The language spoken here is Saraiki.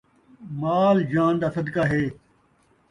مال جان دا صدقہ ہے